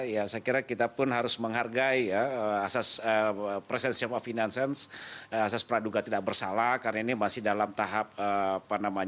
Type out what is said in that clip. saya kira kita pun harus menghargai asas presensi of innocence asas praduga tidak bersalah karena ini masih dalam tahap penyidikan